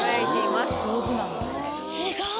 すごい！